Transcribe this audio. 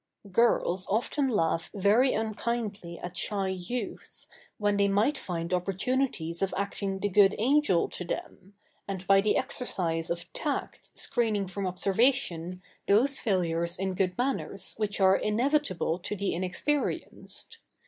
] Girls often laugh very unkindly at shy youths, when they might find opportunities of acting the good angel to them, and by the exercise of tact screening from observation those failures in good manners which are inevitable to the inexperienced.